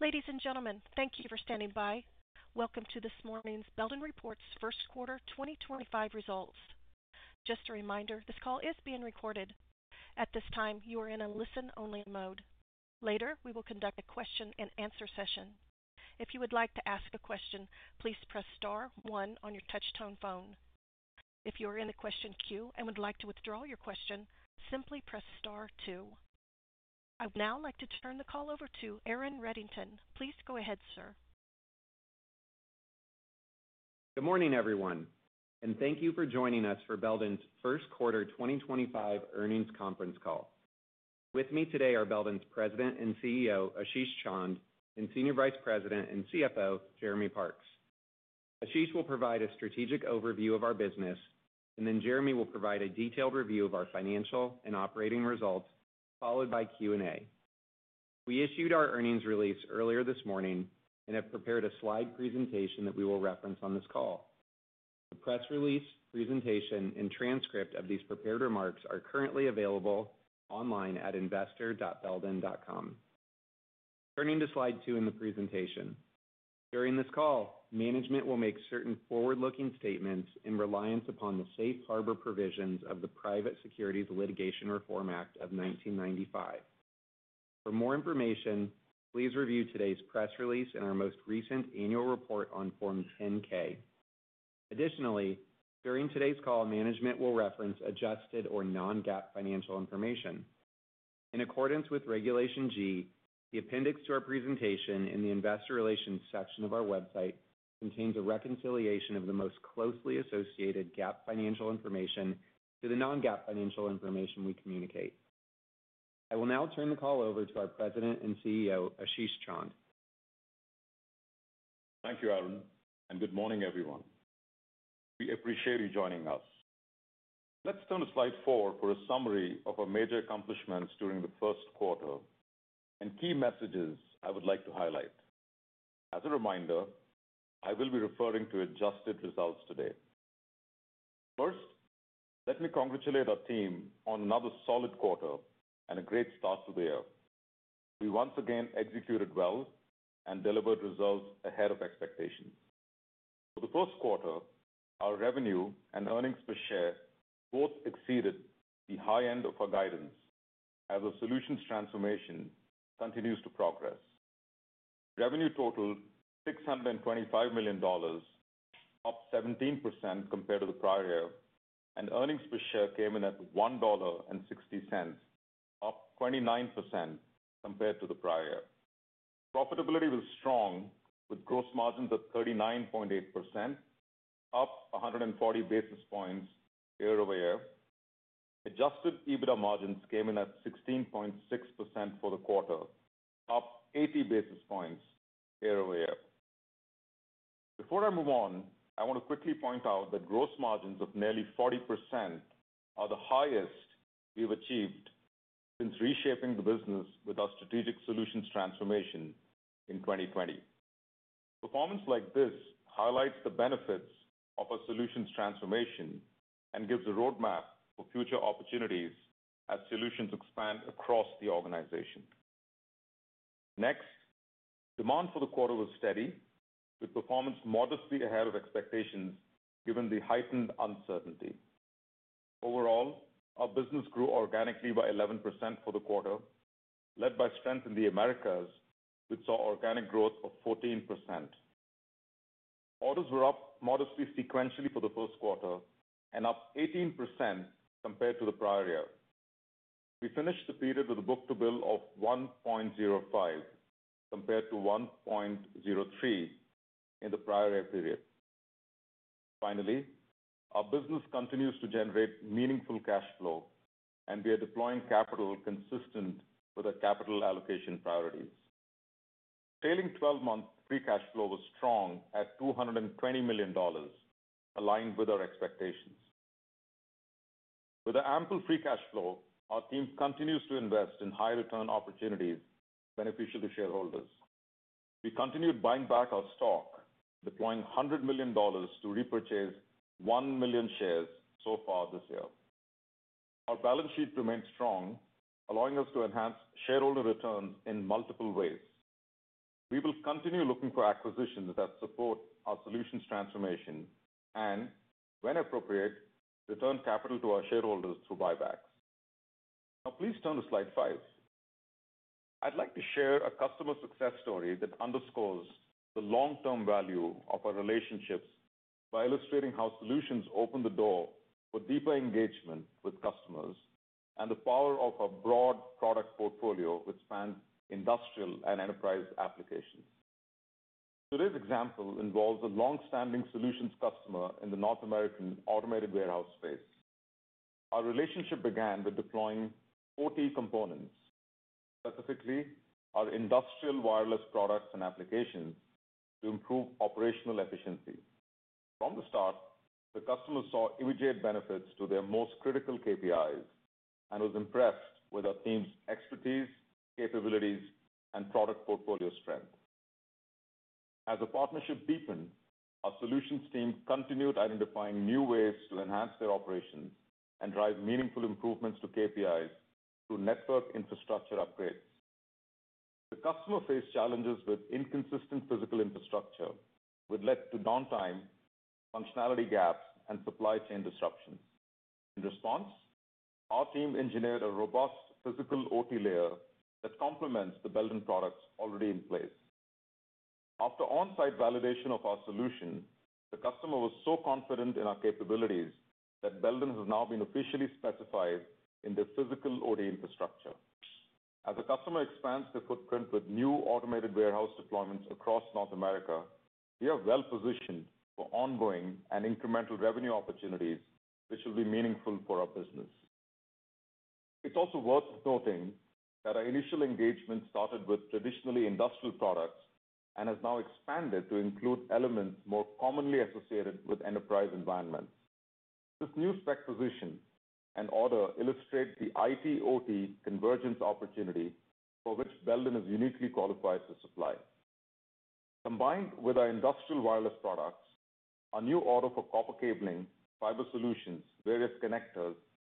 Ladies and gentlemen, thank you for standing by. Welcome to this morning's Belden Reports First Quarter 2025 Results. Just a reminder, this call is being recorded. At this time, you are in a listen-only mode. Later, we will conduct a question-and-answer session. If you would like to ask a question, please press star one on your touch-tone phone. If you are in the question queue and would like to withdraw your question, simply press star two. I would now like to turn the call over to Aaron Reddington. Please go ahead, sir. Good morning, everyone, and thank you for joining us for Belden's First Quarter 2025 Earnings Conference Call. With me today are Belden's President and CEO, Ashish Chand, and Senior Vice President and CFO, Jeremy Parks. Ashish will provide a strategic overview of our business, and then Jeremy will provide a detailed review of our financial and operating results, followed by Q&A. We issued our earnings release earlier this morning and have prepared a slide presentation that we will reference on this call. The press release, presentation, and transcript of these prepared remarks are currently available online at investor.belden.com. Turning to slide two in the presentation, during this call, management will make certain forward-looking statements in reliance upon the safe harbor provisions of the Private Securities Litigation Reform Act of 1995. For more information, please review today's press release and our most recent annual report on Form 10-K. Additionally, during today's call, management will reference adjusted or non-GAAP financial information. In accordance with Regulation G, the appendix to our presentation in the investor relations section of our website contains a reconciliation of the most closely associated GAAP financial information to the non-GAAP financial information we communicate. I will now turn the call over to our President and CEO, Ashish Chand. Thank you, Aaron, and good morning, everyone. We appreciate you joining us. Let's turn to slide four for a summary of our major accomplishments during the first quarter and key messages I would like to highlight. As a reminder, I will be referring to adjusted results today. First, let me congratulate our team on another solid quarter and a great start to the year. We once again executed well and delivered results ahead of expectations. For the first quarter, our revenue and earnings per share both exceeded the high end of our guidance as our solutions transformation continues to progress. Revenue totaled $625 million, up 17% compared to the prior year, and earnings per share came in at $1.60, up 29% compared to the prior year. Profitability was strong, with gross margins at 39.8%, up 140 basis points year-over-year. Adjusted EBITDA margins came in at 16.6% for the quarter, up 80 basis points year-over-year. Before I move on, I want to quickly point out that gross margins of nearly 40% are the highest we've achieved since reshaping the business with our strategic solutions transformation in 2020. Performance like this highlights the benefits of our solutions transformation and gives a roadmap for future opportunities as solutions expand across the organization. Next, demand for the quarter was steady, with performance modestly ahead of expectations given the heightened uncertainty. Overall, our business grew organically by 11% for the quarter, led by strength in the Americas, which saw organic growth of 14%. Orders were up modestly sequentially for the first quarter and up 18% compared to the prior year. We finished the period with a book to bill of 1.05 compared to 1.03 in the prior year period. Finally, our business continues to generate meaningful cash flow, and we are deploying capital consistent with our capital allocation priorities. Our trailing 12-month free cash flow was strong at $220 million, aligned with our expectations. With our ample free cash flow, our team continues to invest in high-return opportunities beneficial to shareholders. We continued buying back our stock, deploying $100 million to repurchase 1 million shares so far this year. Our balance sheet remained strong, allowing us to enhance shareholder returns in multiple ways. We will continue looking for acquisitions that support our solutions transformation and, when appropriate, return capital to our shareholders through buybacks. Now, please turn to slide five. I'd like to share a customer success story that underscores the long-term value of our relationships by illustrating how solutions open the door for deeper engagement with customers and the power of our broad product portfolio, which spans industrial and enterprise applications. Today's example involves a long-standing solutions customer in the North American automated warehouse space. Our relationship began with deploying 40 components, specifically our industrial wireless products and applications, to improve operational efficiency. From the start, the customer saw immediate benefits to their most critical KPIs and was impressed with our team's expertise, capabilities, and product portfolio strength. As the partnership deepened, our solutions team continued identifying new ways to enhance their operations and drive meaningful improvements to KPIs through network infrastructure upgrades. The customer faced challenges with inconsistent physical infrastructure, which led to downtime, functionality gaps, and supply chain disruptions. In response, our team engineered a robust physical OT layer that complements the Belden products already in place. After on-site validation of our solution, the customer was so confident in our capabilities that Belden has now been officially specified in the physical OT infrastructure. As the customer expands their footprint with new automated warehouse deployments across North America, we are well-positioned for ongoing and incremental revenue opportunities, which will be meaningful for our business. It's also worth noting that our initial engagement started with traditionally industrial products and has now expanded to include elements more commonly associated with enterprise environments. This new spec position and order illustrate the IT/OT convergence opportunity for which Belden is uniquely qualified to supply. Combined with our industrial wireless products, our new order for copper cabling, fiber solutions, various connectors,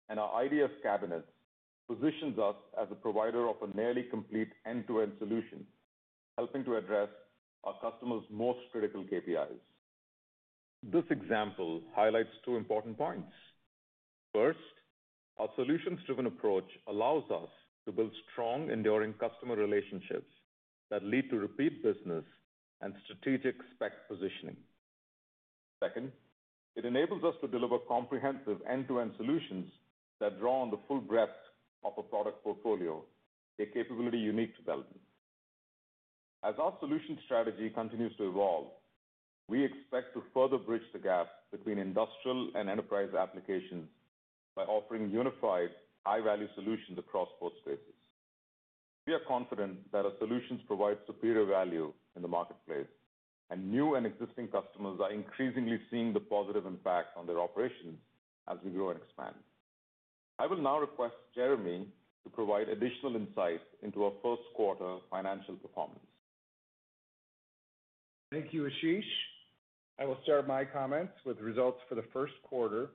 and our IDF cabinets positions us as a provider of a nearly complete end-to-end solution, helping to address our customer's most critical KPIs. This example highlights two important points. First, our solutions-driven approach allows us to build strong, enduring customer relationships that lead to repeat business and strategic spec positioning. Second, it enables us to deliver comprehensive end-to-end solutions that draw on the full breadth of our product portfolio, a capability unique to Belden. As our solution strategy continues to evolve, we expect to further bridge the gap between industrial and enterprise applications by offering unified, high-value solutions across both spaces. We are confident that our solutions provide superior value in the marketplace, and new and existing customers are increasingly seeing the positive impact on their operations as we grow and expand. I will now request Jeremy to provide additional insight into our first quarter financial performance. Thank you, Ashish. I will start my comments with results for the first quarter,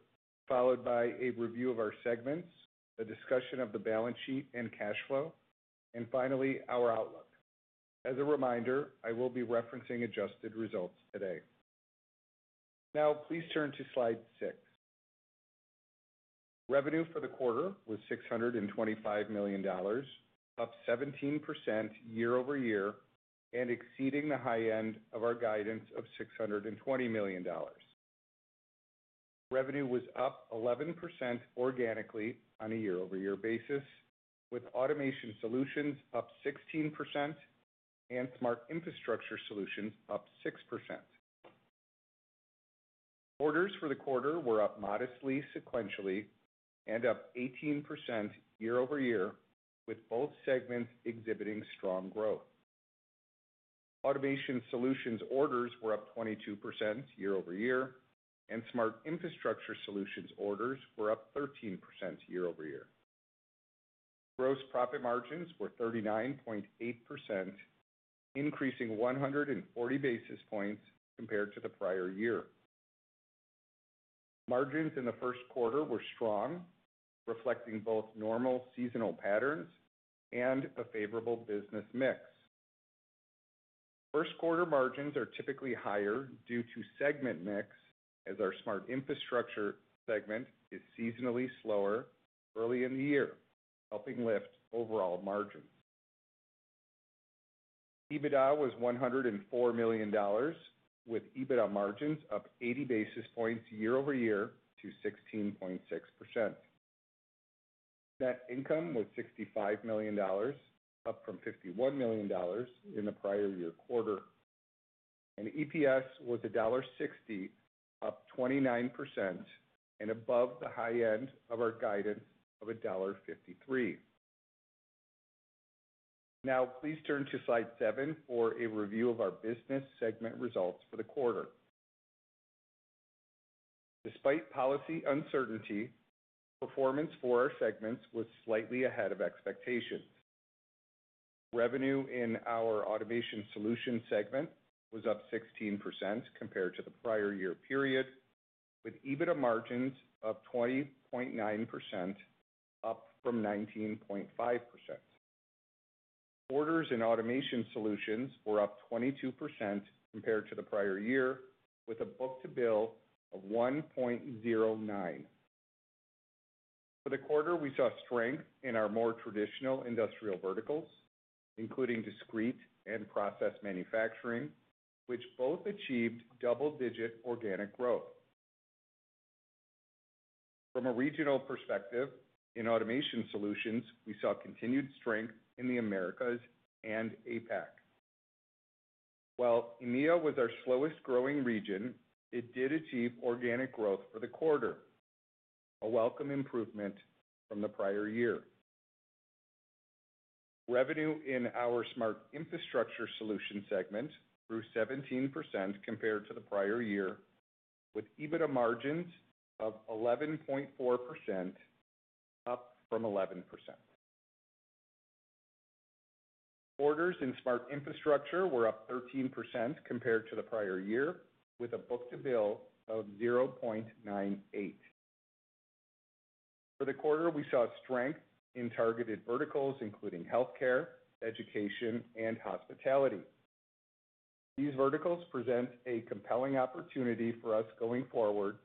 followed by a review of our segments, a discussion of the balance sheet and cash flow, and finally, our outlook. As a reminder, I will be referencing adjusted results today. Now, please turn to slide six. Revenue for the quarter was $625 million, up 17% year-over-year, and exceeding the high end of our guidance of $620 million. Revenue was up 11% organically on a year-over-year basis, with automation solutions up 16% and Smart Infrastructure Solutions up 6%. Orders for the quarter were up modestly sequentially and up 18% year-over-year, with both segments exhibiting strong growth. Automation solutions orders were up 22% year-over-year, and Smart Infrastructure Solutions orders were up 13% year-over-year. Gross profit margins were 39.8%, increasing 140 basis points compared to the prior year. Margins in the first quarter were strong, reflecting both normal seasonal patterns and a favorable business mix. First quarter margins are typically higher due to segment mix, as our Smart Infrastructure segment is seasonally slower early in the year, helping lift overall margins. EBITDA was $104 million, with EBITDA margins up 80 basis points year-over-year to 16.6%. Net income was $65 million, up from $51 million in the prior year quarter. EPS was $1.60, up 29%, and above the high end of our guidance of $1.53. Now, please turn to slide seven for a review of our business segment results for the quarter. Despite policy uncertainty, performance for our segments was slightly ahead of expectations. Revenue in our Automation Solutions segment was up 16% compared to the prior year period, with EBITDA margins of 20.9%, up from 19.5%. Orders in Automation Solutions were up 22% compared to the prior year, with a book to bill of 1.09. For the quarter, we saw strength in our more traditional industrial verticals, including discrete and process manufacturing, which both achieved double-digit organic growth. From a regional perspective, in Automation Solutions, we saw continued strength in the Americas and APAC. While EMEA was our slowest-growing region, it did achieve organic growth for the quarter, a welcome improvement from the prior year. Revenue in our Smart Infrastructure Solutions segment grew 17% compared to the prior year, with EBITDA margins of 11.4%, up from 11%. Orders in Smart Infrastructure were up 13% compared to the prior year, with a book to bill of 0.98. For the quarter, we saw strength in targeted verticals, including healthcare, education, and hospitality. These verticals present a compelling opportunity for us going forward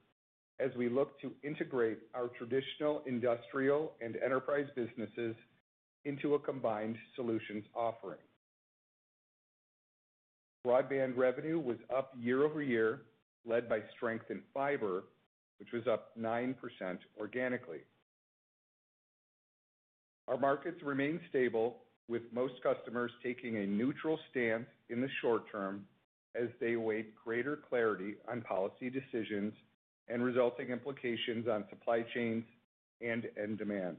as we look to integrate our traditional industrial and enterprise businesses into a combined solutions offering. Broadband revenue was up year-over-year, led by strength in fiber, which was up 9% organically. Our markets remain stable, with most customers taking a neutral stance in the short term as they await greater clarity on policy decisions and resulting implications on supply chains and end demand.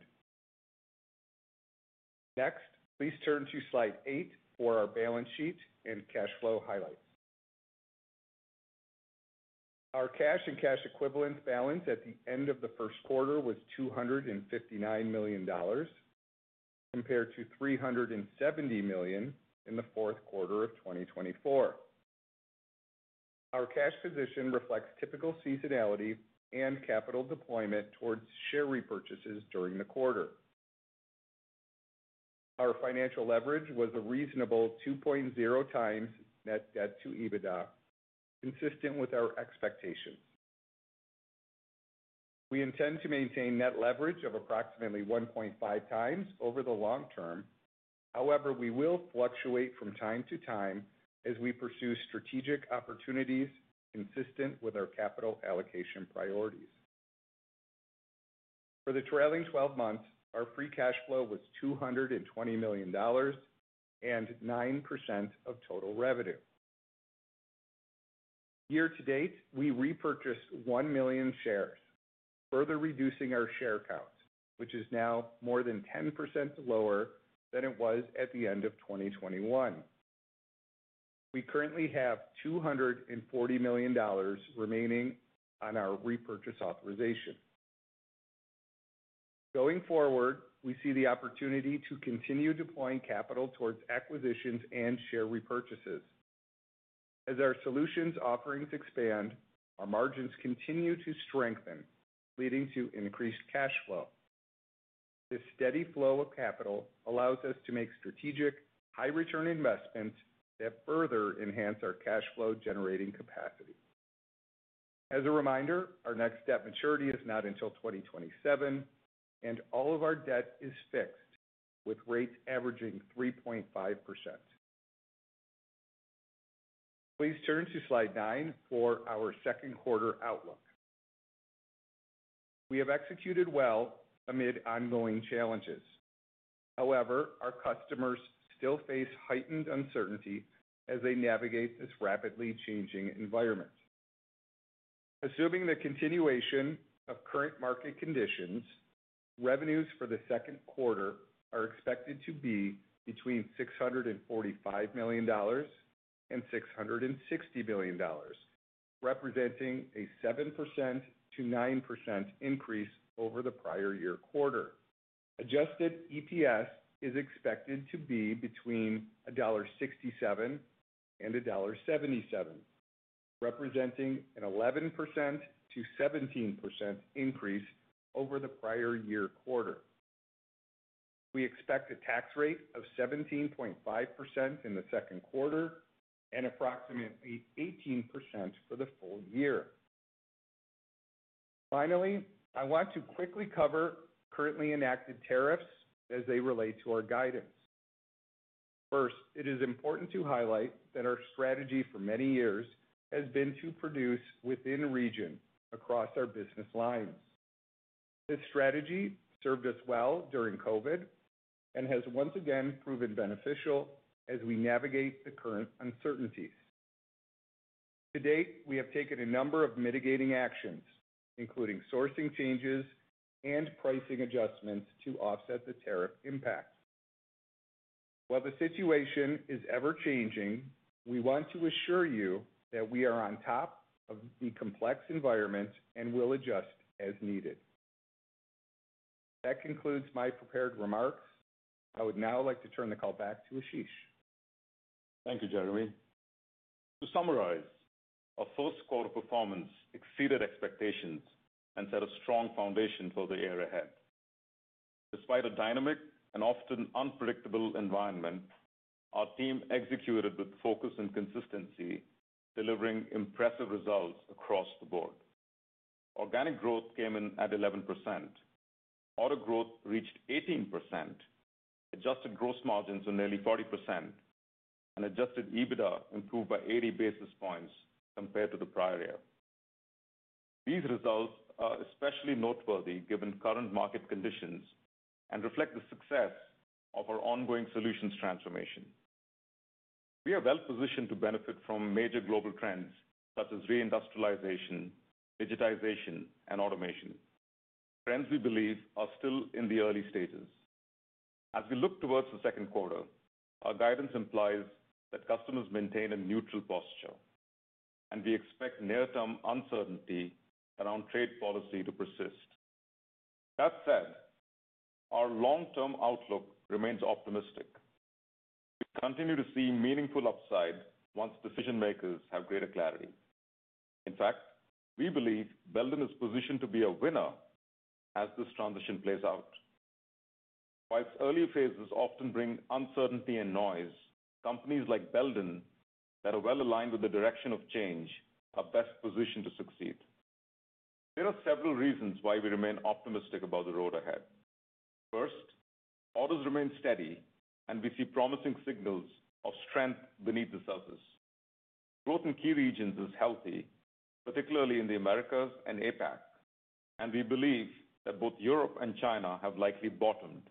Next, please turn to slide eight for our balance sheet and cash flow highlights. Our cash and cash equivalents balance at the end of the first quarter was $259 million, compared to $370 million in the fourth quarter of 2024. Our cash position reflects typical seasonality and capital deployment towards share repurchases during the quarter. Our financial leverage was a reasonable 2.0x net debt to EBITDA, consistent with our expectations. We intend to maintain net leverage of approximately 1.5x over the long term. However, we will fluctuate from time to time as we pursue strategic opportunities consistent with our capital allocation priorities. For the trailing 12 months, our free cash flow was $220 million and 9% of total revenue. Year to date, we repurchased one million shares, further reducing our share count, which is now more than 10% lower than it was at the end of 2021. We currently have $240 million remaining on our repurchase authorization. Going forward, we see the opportunity to continue deploying capital towards acquisitions and share repurchases. As our solutions offerings expand, our margins continue to strengthen, leading to increased cash flow. This steady flow of capital allows us to make strategic, high-return investments that further enhance our cash flow-generating capacity. As a reminder, our next debt maturity is not until 2027, and all of our debt is fixed, with rates averaging 3.5%. Please turn to slide nine for our second quarter outlook. We have executed well amid ongoing challenges. However, our customers still face heightened uncertainty as they navigate this rapidly changing environment. Assuming the continuation of current market conditions, revenues for the second quarter are expected to be between $645 million and $660 million, representing a 7%-9% increase over the prior year quarter. Adjusted EPS is expected to be between $1.67 and $1.77, representing an 11%-17% increase over the prior year quarter. We expect a tax rate of 17.5% in the second quarter and approximately 18% for the full year. Finally, I want to quickly cover currently enacted tariffs as they relate to our guidance. First, it is important to highlight that our strategy for many years has been to produce within region across our business lines. This strategy served us well during COVID and has once again proven beneficial as we navigate the current uncertainties. To date, we have taken a number of mitigating actions, including sourcing changes and pricing adjustments to offset the tariff impact. While the situation is ever-changing, we want to assure you that we are on top of the complex environment and will adjust as needed. That concludes my prepared remarks. I would now like to turn the call back to Ashish. Thank you, Jeremy. To summarize, our first quarter performance exceeded expectations and set a strong foundation for the year ahead. Despite a dynamic and often unpredictable environment, our team executed with focus and consistency, delivering impressive results across the board. Organic growth came in at 11%. Auto growth reached 18%, adjusted gross margins were nearly 40%, and adjusted EBITDA improved by 80 basis points compared to the prior year. These results are especially noteworthy given current market conditions and reflect the success of our ongoing solutions transformation. We are well-positioned to benefit from major global trends such as reindustrialization, digitization, and automation, trends we believe are still in the early stages. As we look towards the second quarter, our guidance implies that customers maintain a neutral posture, and we expect near-term uncertainty around trade policy to persist. That said, our long-term outlook remains optimistic. We continue to see meaningful upside once decision-makers have greater clarity. In fact, we believe Belden is positioned to be a winner as this transition plays out. While its early phases often bring uncertainty and noise, companies like Belden that are well-aligned with the direction of change are best positioned to succeed. There are several reasons why we remain optimistic about the road ahead. First, orders remain steady, and we see promising signals of strength beneath the surface. Growth in key regions is healthy, particularly in the Americas and APAC, and we believe that both Europe and China have likely bottomed,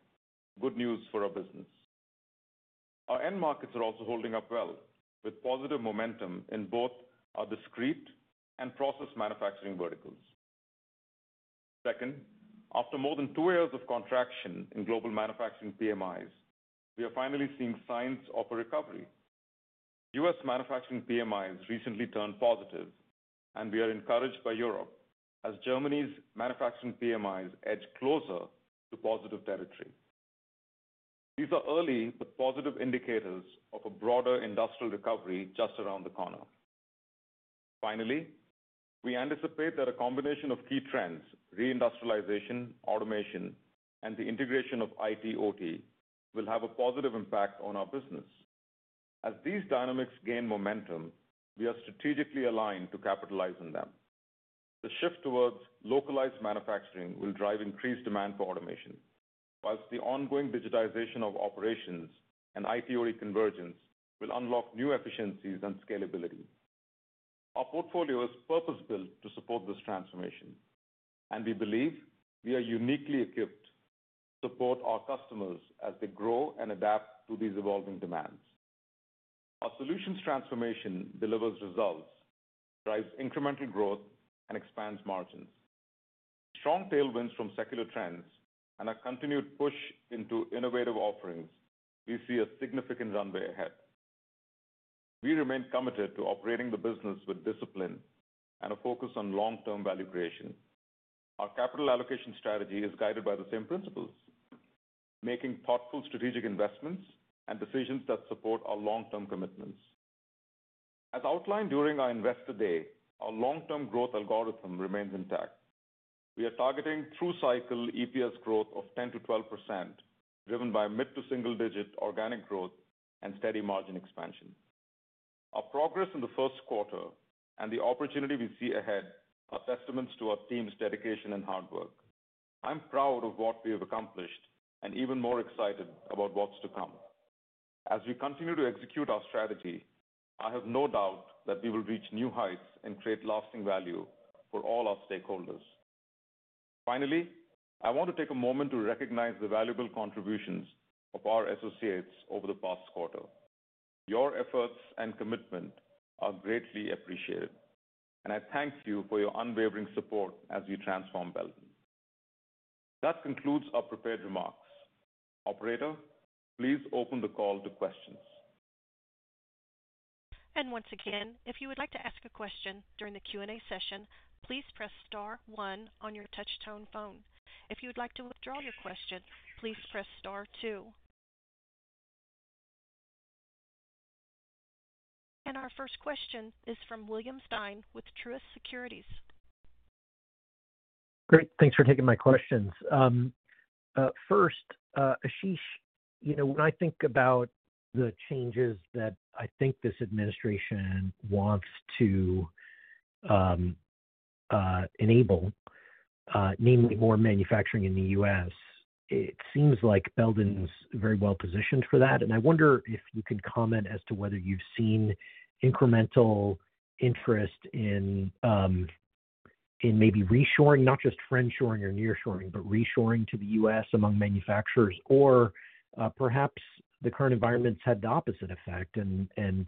good news for our business. Our end markets are also holding up well, with positive momentum in both our discrete and process manufacturing verticals. Second, after more than two years of contraction in global manufacturing PMIs, we are finally seeing signs of a recovery. U.S. manufacturing PMIs recently turned positive, and we are encouraged by Europe as Germany's manufacturing PMIs edge closer to positive territory. These are early but positive indicators of a broader industrial recovery just around the corner. Finally, we anticipate that a combination of key trends, reindustrialization, automation, and the integration of IT/OT will have a positive impact on our business. As these dynamics gain momentum, we are strategically aligned to capitalize on them. The shift towards localized manufacturing will drive increased demand for automation, whilst the ongoing digitization of operations and IT/OT convergence will unlock new efficiencies and scalability. Our portfolio is purpose-built to support this transformation, and we believe we are uniquely equipped to support our customers as they grow and adapt to these evolving demands. Our solutions transformation delivers results, drives incremental growth, and expands margins. With strong tailwinds from secular trends and a continued push into innovative offerings, we see a significant runway ahead. We remain committed to operating the business with discipline and a focus on long-term value creation. Our capital allocation strategy is guided by the same principles, making thoughtful strategic investments and decisions that support our long-term commitments. As outlined during our Investor Day, our long-term growth algorithm remains intact. We are targeting through-cycle EPS growth of 10%-12%, driven by mid to single-digit organic growth and steady margin expansion. Our progress in the first quarter and the opportunity we see ahead are testaments to our team's dedication and hard work. I'm proud of what we have accomplished and even more excited about what's to come. As we continue to execute our strategy, I have no doubt that we will reach new heights and create lasting value for all our stakeholders. Finally, I want to take a moment to recognize the valuable contributions of our associates over the past quarter. Your efforts and commitment are greatly appreciated, and I thank you for your unwavering support as we transform Belden. That concludes our prepared remarks. Operator, please open the call to questions. If you would like to ask a question during the Q&A session, please press star one on your touch-tone phone. If you would like to withdraw your question, please press star two. Our first question is from William Stein with Truist Securities. Great. Thanks for taking my questions. First, Ashish, when I think about the changes that I think this administration wants to enable, namely more manufacturing in the U.S., it seems like Belden's very well-positioned for that. I wonder if you can comment as to whether you've seen incremental interest in maybe reshoring, not just friend-shoring or near-shoring, but reshoring to the U.S. among manufacturers, or perhaps the current environment's had the opposite effect and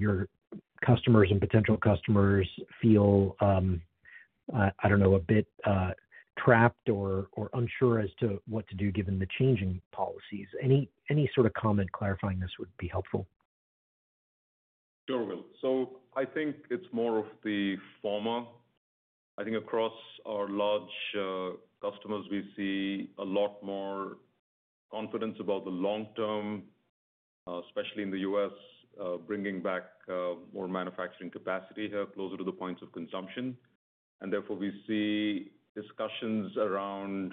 your customers and potential customers feel, I don't know, a bit trapped or unsure as to what to do given the changing policies. Any sort of comment clarifying this would be helpful? Sure. I think it is more of the former. I think across our large customers, we see a lot more confidence about the long term, especially in the U.S., bringing back more manufacturing capacity here, closer to the points of consumption. Therefore, we see discussions around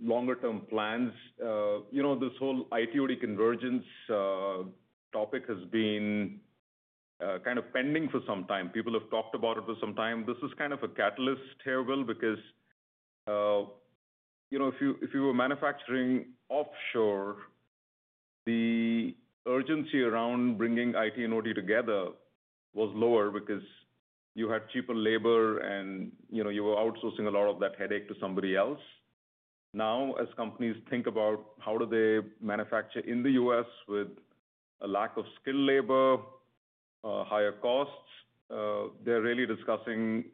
longer-term plans. This whole IT/OT convergence topic has been kind of pending for some time. People have talked about it for some time. This is kind of a catalyst, Hiran Bhadra, because if you were manufacturing offshore, the urgency around bringing IT and OT together was lower because you had cheaper labor and you were outsourcing a lot of that headache to somebody else. Now, as companies think about how they manufacture in the U.S. with a lack of skilled labor, higher costs, they are really discussing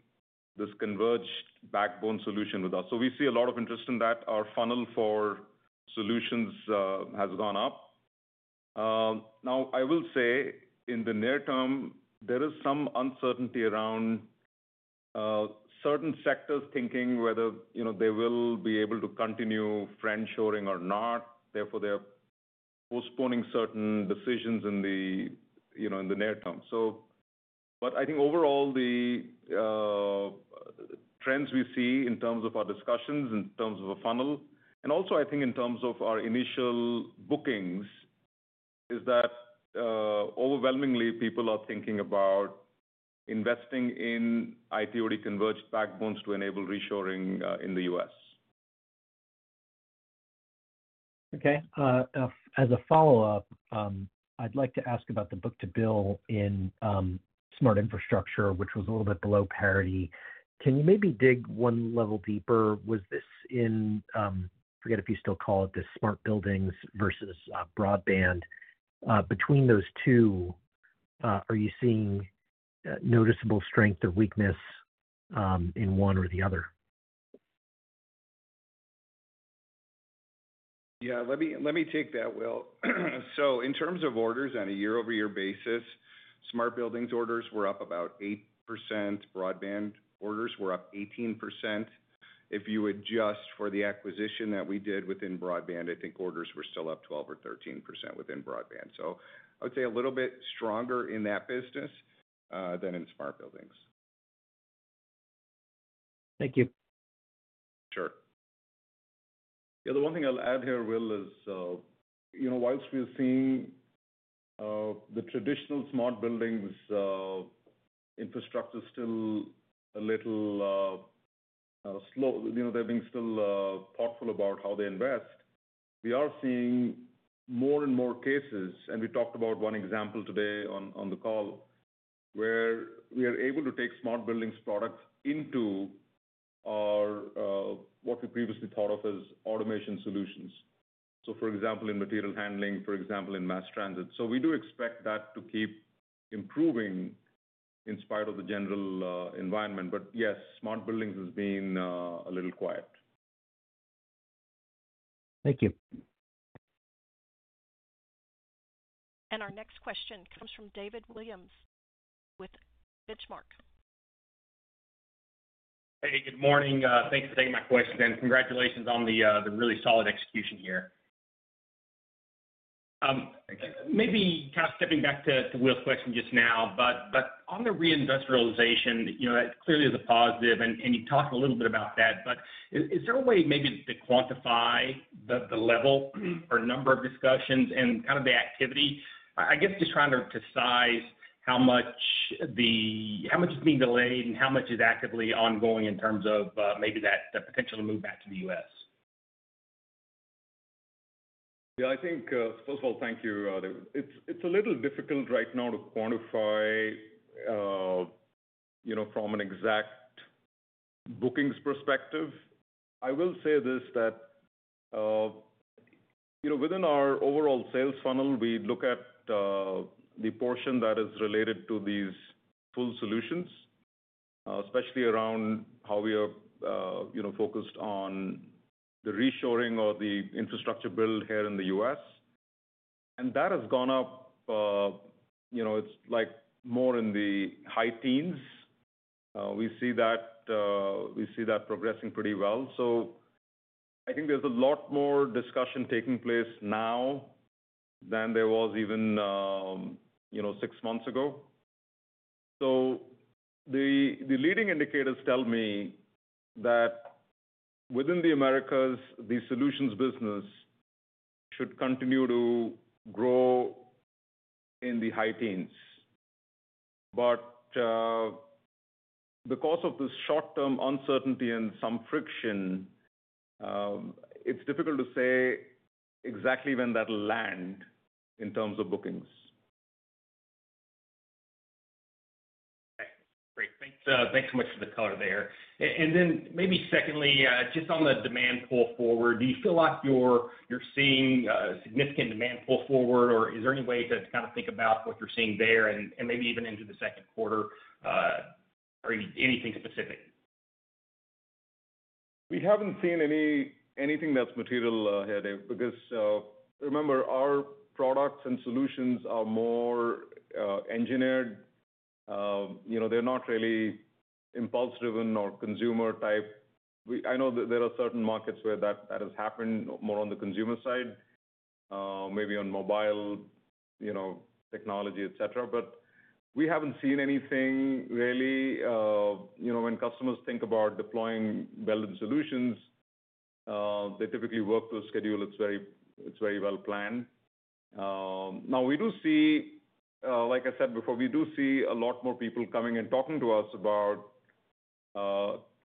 this converged backbone solution with us. We see a lot of interest in that. Our funnel for solutions has gone up. Now, I will say in the near term, there is some uncertainty around certain sectors thinking whether they will be able to continue friend-shoring or not. Therefore, they're postponing certain decisions in the near term. I think overall, the trends we see in terms of our discussions, in terms of a funnel, and also I think in terms of our initial bookings, is that overwhelmingly, people are thinking about investing in IT/OT converged backbones to enable reshoring in the U.S. Okay. As a follow-up, I'd like to ask about the book to bill in Smart Infrastructure, which was a little bit below parity. Can you maybe dig one level deeper? Was this in, forget if you still call it the Smart Buildings versus Broadband? Between those two, are you seeing noticeable strength or weakness in one or the other? Yeah. Let me take that, Will. In terms of orders on a year-over-year basis, Smart Buildings orders were up about 8%. Broadband orders were up 18%. If you adjust for the acquisition that we did within Broadband, I think orders were still up 12% or 13% within Broadband. I would say a little bit stronger in that business than in Smart Buildings. Thank you. Sure. Yeah. The one thing I'll add here, Will, is whilst we're seeing the traditional Smart Buildings Infrastructure still a little slow, they're being still thoughtful about how they invest, we are seeing more and more cases. We talked about one example today on the call where we are able to take Smart Buildings products into what we previously thought of as automation solutions. For example, in material handling, for example, in mass transit. We do expect that to keep improving in spite of the general environment. Yes, Smart Buildings have been a little quiet. Thank you. Our next question comes from David Williams with Benchmark. Hey, good morning. Thanks for taking my question. Congratulations on the really solid execution here. Maybe kind of stepping back to Will's question just now, on the reindustrialization, that clearly is a positive, and you talked a little bit about that. Is there a way maybe to quantify the level or number of discussions and kind of the activity? I guess just trying to size how much is being delayed and how much is actively ongoing in terms of maybe that potential to move back to the U.S.? Yeah. I think, first of all, thank you. It's a little difficult right now to quantify from an exact bookings perspective. I will say this: that within our overall sales funnel, we look at the portion that is related to these full solutions, especially around how we are focused on the reshoring or the infrastructure build here in the U.S. That has gone up. It's more in the high teens. We see that progressing pretty well. I think there's a lot more discussion taking place now than there was even six months ago. The leading indicators tell me that within the Americas, the solutions business should continue to grow in the high teens. Because of this short-term uncertainty and some friction, it's difficult to say exactly when that will land in terms of bookings. Okay. Great. Thanks so much for the color there. Then maybe secondly, just on the demand pull forward, do you feel like you're seeing a significant demand pull forward, or is there any way to kind of think about what you're seeing there and maybe even into the second quarter? Anything specific? We haven't seen anything that's material here, Dave, because remember, our products and solutions are more engineered. They're not really impulse-driven or consumer-type. I know that there are certain markets where that has happened more on the consumer side, maybe on mobile technology, etc. We haven't seen anything really. When customers think about deploying Belden Solutions, they typically work to a schedule. It's very well-planned. Now, like I said before, we do see a lot more people coming and talking to us about,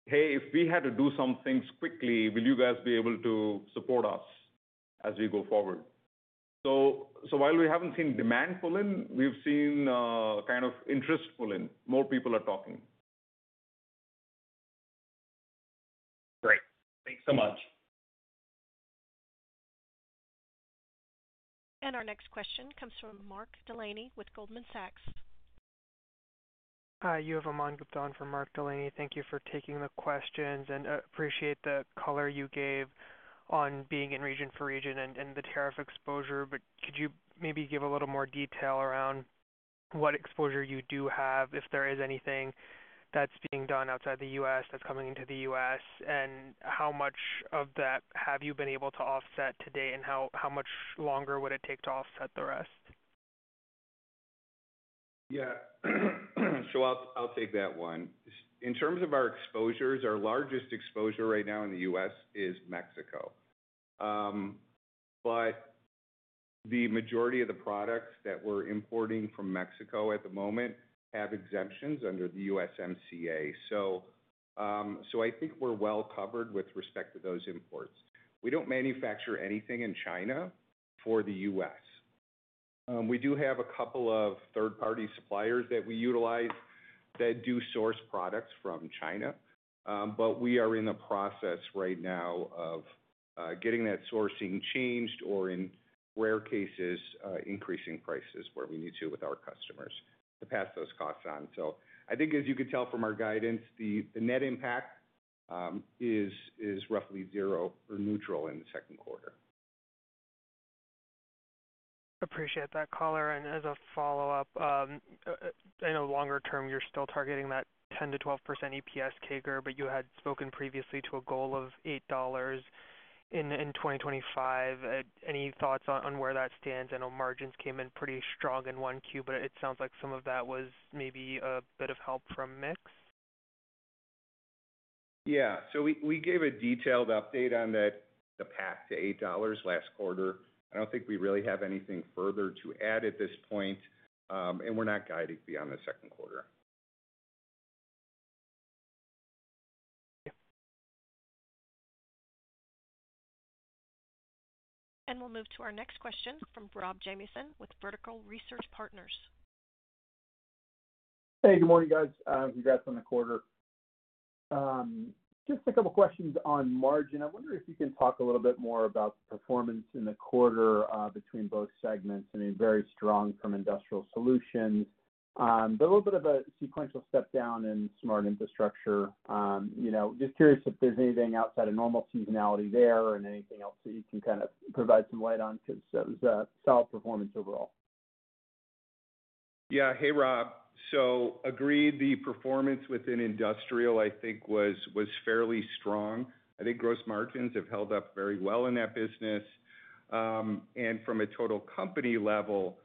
"Hey, if we had to do some things quickly, will you guys be able to support us as we go forward?" While we haven't seen demand pull in, we've seen kind of interest pull in. More people are talking. Great. Thanks so much. Our next question comes from Mark Delaney with Goldman Sachs. Hi. Aman Gupta for Mark Delaney. Thank you for taking the questions. I appreciate the color you gave on being in region for region and the tariff exposure. Could you maybe give a little more detail around what exposure you do have, if there is anything that's being done outside the U.S. that's coming into the U.S., and how much of that have you been able to offset to date, and how much longer would it take to offset the rest? Yeah. I'll take that one. In terms of our exposures, our largest exposure right now in the U.S. is Mexico. The majority of the products that we're importing from Mexico at the moment have exemptions under the USMCA. I think we're well covered with respect to those imports. We don't manufacture anything in China for the U.S. We do have a couple of third-party suppliers that we utilize that do source products from China. We are in the process right now of getting that sourcing changed or, in rare cases, increasing prices where we need to with our customers to pass those costs on. I think, as you can tell from our guidance, the net impact is roughly zero or neutral in the second quarter. Appreciate that color. As a follow-up, I know longer-term, you're still targeting that 10%-12% EPS CAGR, but you had spoken previously to a goal of $8 in 2025. Any thoughts on where that stands? I know margins came in pretty strong in one Q, but it sounds like some of that was maybe a bit of help from mix? Yeah. We gave a detailed update on that. The path to $8 last quarter. I do not think we really have anything further to add at this point, and we are not guiding beyond the second quarter. Thank you. We will move to our next question from Rob Jamieson with Vertical Research Partners. Hey, good morning, guys. Congrats on the quarter. Just a couple of questions on margin. I wonder if you can talk a little bit more about the performance in the quarter between both segments. I mean, very strong from industrial solutions, but a little bit of a sequential step down in smart infrastructure. Just curious if there's anything outside of normal seasonality there and anything else that you can kind of provide some light on because it was solid performance overall. Yeah. Hey, Rob. Agreed. The performance within industrial, I think, was fairly strong. I think gross margins have held up very well in that business. From a total company level,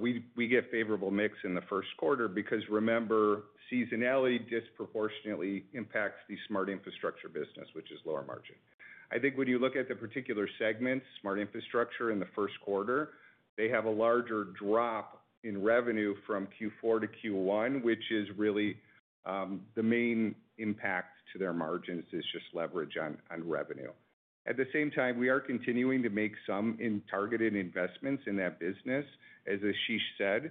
we get favorable mix in the first quarter because, remember, seasonality disproportionately impacts the smart infrastructure business, which is lower margin. I think when you look at the particular segments, smart infrastructure in the first quarter, they have a larger drop in revenue from Q4 to Q1, which is really the main impact to their margins, just leverage on revenue. At the same time, we are continuing to make some targeted investments in that business. As Ashish said,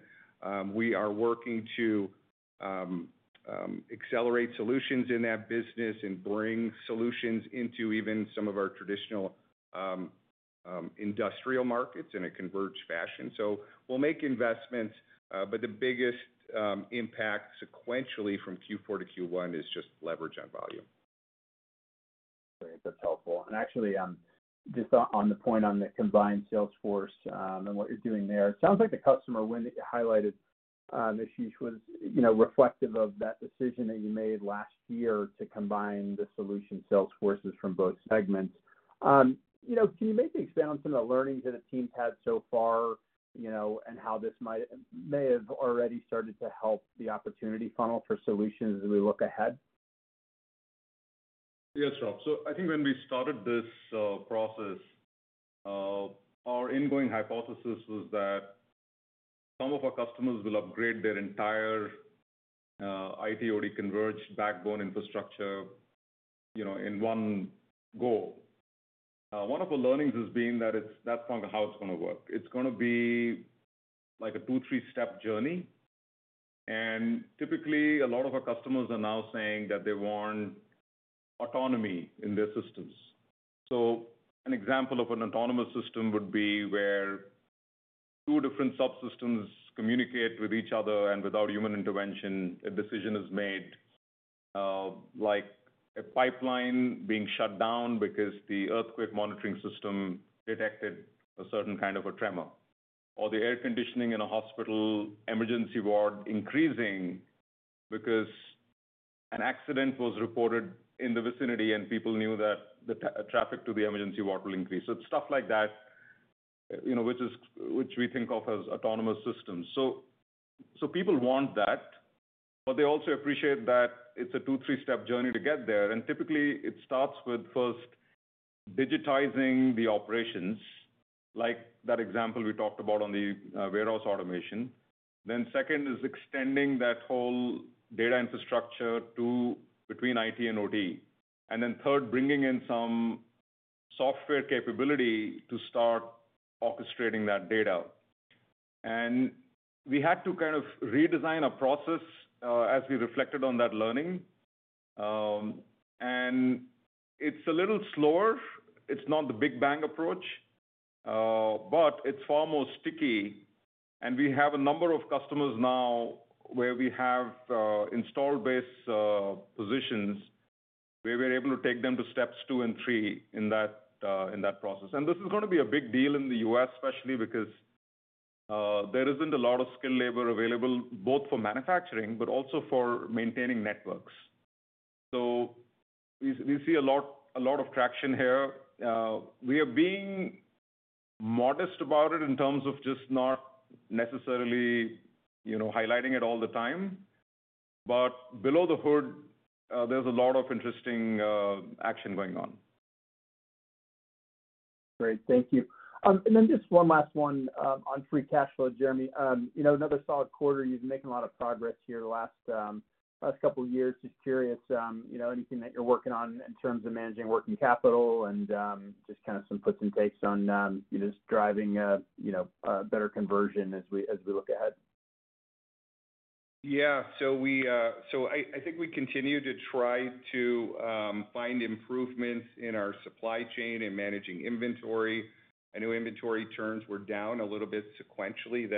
we are working to accelerate solutions in that business and bring solutions into even some of our traditional industrial markets in a converged fashion. We will make investments, but the biggest impact sequentially from Q4 to Q1 is just leverage on volume. Great. That's helpful. Actually, just on the point on the combined sales force and what you're doing there, it sounds like the customer win that you highlighted, Ashish, was reflective of that decision that you made last year to combine the solution sales forces from both segments. Can you maybe expand on some of the learnings that the teams had so far and how this may have already started to help the opportunity funnel for solutions as we look ahead? Yes, Rob. I think when we started this process, our ingoing hypothesis was that some of our customers will upgrade their entire IT/OT converged backbone infrastructure in one go. One of the learnings has been that that's not how it's going to work. It's going to be like a two, three-step journey. Typically, a lot of our customers are now saying that they want autonomy in their systems. An example of an autonomous system would be where two different subsystems communicate with each other, and without human intervention, a decision is made, like a pipeline being shut down because the earthquake monitoring system detected a certain kind of a tremor, or the air conditioning in a hospital emergency ward increasing because an accident was reported in the vicinity and people knew that the traffic to the emergency ward will increase. It is stuff like that, which we think of as autonomous systems. People want that, but they also appreciate that it is a two, three-step journey to get there. Typically, it starts with first digitizing the operations, like that example we talked about on the warehouse automation. Second is extending that whole data infrastructure between IT and OT. Third, bringing in some software capability to start orchestrating that data. We had to kind of redesign a process as we reflected on that learning. It is a little slower. It is not the big bang approach, but it is far more sticky. We have a number of customers now where we have installed-based positions where we are able to take them to steps two and three in that process. This is going to be a big deal in the U.S., especially because there is not a lot of skilled labor available, both for manufacturing but also for maintaining networks. We see a lot of traction here. We are being modest about it in terms of just not necessarily highlighting it all the time. Below the hood, there is a lot of interesting action going on. Great. Thank you. Just one last one on free cash flow, Jeremy. Another solid quarter. You've been making a lot of progress here the last couple of years. Just curious, anything that you're working on in terms of managing working capital and just kind of some puts and takes on just driving better conversion as we look ahead? Yeah. I think we continue to try to find improvements in our supply chain and managing inventory. I know inventory turns were down a little bit sequentially.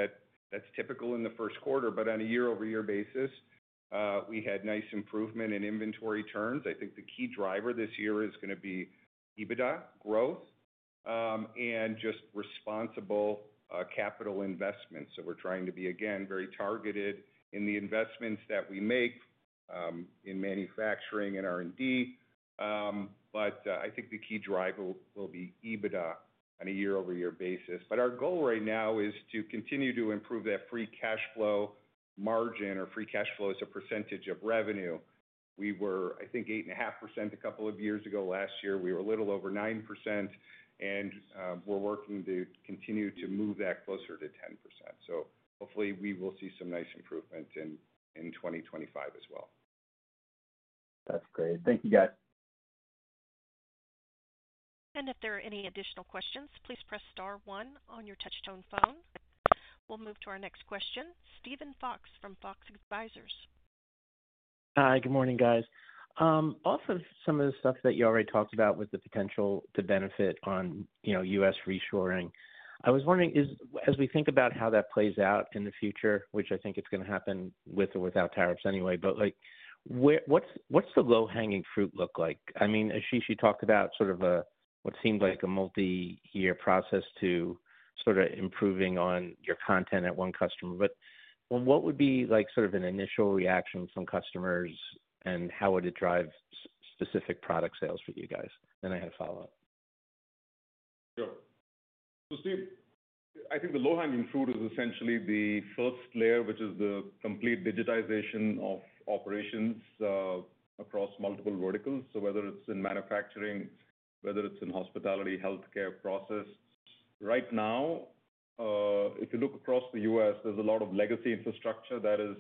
That's typical in the first quarter. On a year-over-year basis, we had nice improvement in inventory turns. I think the key driver this year is going to be EBITDA, growth, and just responsible capital investments. We're trying to be, again, very targeted in the investments that we make in manufacturing and R&D. I think the key driver will be EBITDA on a year-over-year basis. Our goal right now is to continue to improve that free cash flow margin or free cash flow as a percentage of revenue. We were, I think, 8.5% a couple of years ago. Last year, we were a little over 9%. We're working to continue to move that closer to 10%. Hopefully, we will see some nice improvement in 2025 as well. That's great. Thank you, guys. If there are any additional questions, please press star one on your touch-tone phone. We will move to our next question. Steven Fox from Fox Advisors. Hi. Good morning, guys. Off of some of the stuff that you already talked about with the potential to benefit on U.S. reshoring, I was wondering, as we think about how that plays out in the future, which I think it's going to happen with or without tariffs anyway, but what's the low-hanging fruit look like? I mean, Ashish, you talked about sort of what seemed like a multi-year process to sort of improving on your content at one customer. What would be sort of an initial reaction from customers, and how would it drive specific product sales for you guys? I had a follow-up. Sure. Steve, I think the low-hanging fruit is essentially the first layer, which is the complete digitization of operations across multiple verticals. Whether it's in manufacturing, whether it's in hospitality, healthcare process. Right now, if you look across the U.S., there's a lot of legacy infrastructure that is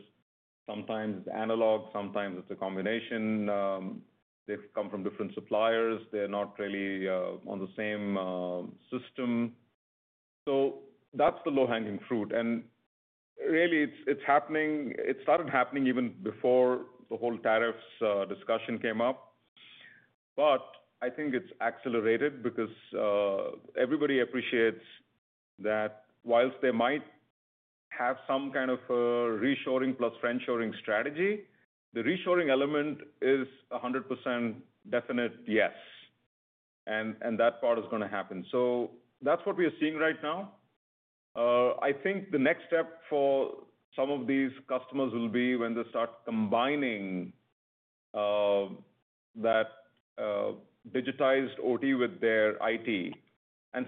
sometimes analog. Sometimes it's a combination. They've come from different suppliers. They're not really on the same system. That's the low-hanging fruit. Really, it started happening even before the whole tariffs discussion came up. I think it's accelerated because everybody appreciates that whilst they might have some kind of reshoring plus friendshoring strategy, the reshoring element is 100% definite yes. That part is going to happen. That's what we are seeing right now. I think the next step for some of these customers will be when they start combining that digitized OT with their IT.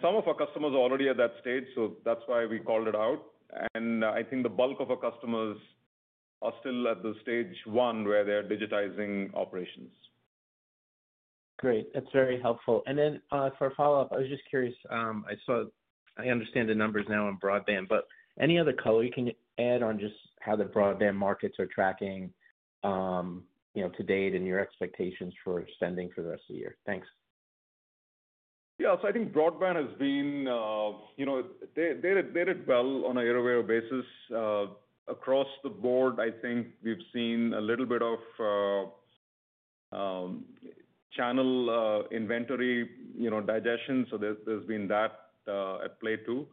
Some of our customers are already at that stage, so that's why we called it out. I think the bulk of our customers are still at the stage one where they're digitizing operations. Great. That's very helpful. For a follow-up, I was just curious. I understand the numbers now on Broadband, but any other color you can add on just how the Broadband markets are tracking to date and your expectations for spending for the rest of the year? Thanks. Yeah. I think Broadband has been, they did well on a year-over-year basis. Across the board, I think we've seen a little bit of channel inventory digestion. There's been that at play too.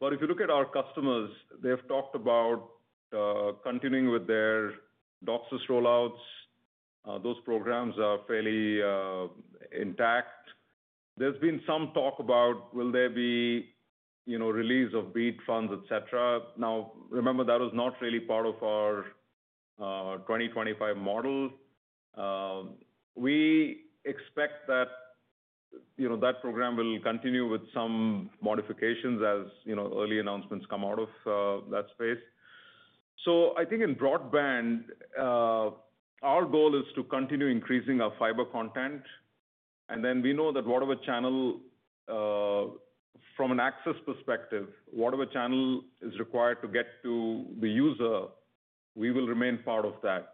If you look at our customers, they've talked about continuing with their DOCSIS rollouts. Those programs are fairly intact. There's been some talk about, will there be release of BEAD funds, etc.? Now, remember, that was not really part of our 2025 model. We expect that that program will continue with some modifications as early announcements come out of that space. I think in Broadband, our goal is to continue increasing our fiber content. We know that whatever channel from an access perspective, whatever channel is required to get to the user, we will remain part of that.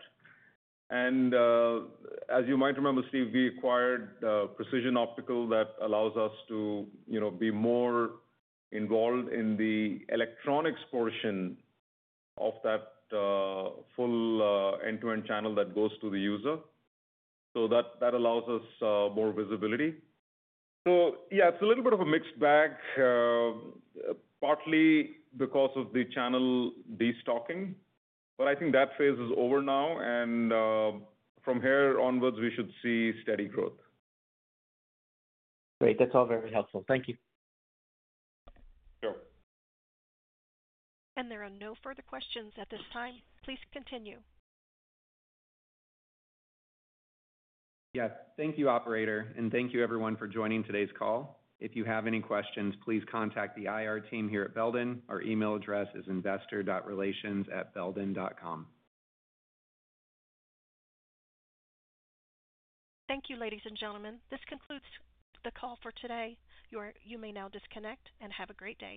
As you might remember, Steve, we acquired Precision Optical that allows us to be more involved in the electronics portion of that full end-to-end channel that goes to the user. That allows us more visibility. Yeah, it is a little bit of a mixed bag, partly because of the channel destocking. I think that phase is over now. From here onwards, we should see steady growth. Great. That's all very helpful. Thank you. Sure. There are no further questions at this time. Please continue. Yes. Thank you, operator. Thank you, everyone, for joining today's call. If you have any questions, please contact the IR team here at Belden. Our email address is investor.relations@belden.com. Thank you, ladies and gentlemen. This concludes the call for today. You may now disconnect and have a great day.